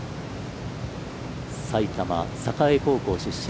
埼玉栄高校出身。